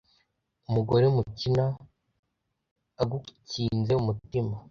Umugore mukina agukinze umutima,